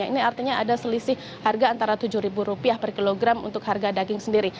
ini artinya ada selisih harga antara rp tujuh per kilogram untuk harga daging sendiri